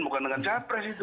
bukan dengan capres itu